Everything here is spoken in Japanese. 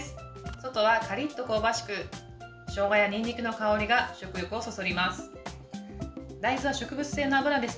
外はカリッと香ばしくしょうがや、にんにくの香りが食欲をそそります。